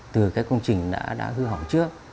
từ cái công trình đã hư hỏng trước